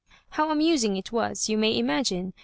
How amusing it was, you may imagine.